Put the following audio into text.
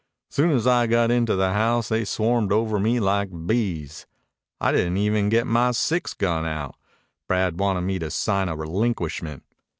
Soon as I got into the house they swarmed over me like bees. I didn't even get my six gun out. Brad wanted me to sign a relinquishment.